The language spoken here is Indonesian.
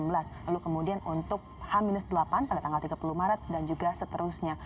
lalu kemudian untuk h delapan pada tanggal tiga puluh maret dan juga seterusnya